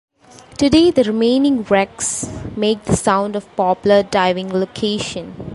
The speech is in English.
Today the remaining wrecks make the Sound a popular diving location.